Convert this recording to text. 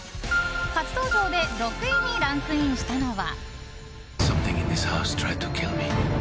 初登場で６位にランクインしたのは。